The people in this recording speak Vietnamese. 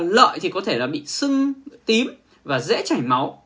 lợi thì có thể là bị sưng tím và dễ chảy máu